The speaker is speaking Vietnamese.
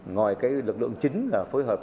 ngoài cái lực lượng chính là phối hợp